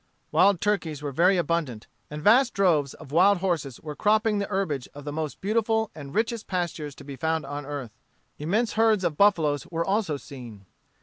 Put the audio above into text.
Wild turkeys were very abundant, and vast droves of wild horses were cropping the herbage of the most beautiful and richest pastures to be found on earth. Immense herds of buffaloes were also seen.